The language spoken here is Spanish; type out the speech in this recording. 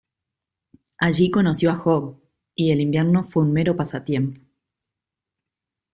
Allí conoció a Hogg, y "el invierno fue un mero pasatiempo.